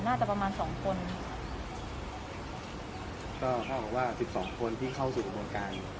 น่าจะประมาณสองคนก็เขาบอกว่าลี่สองคนที่เข้าสุขบางกาย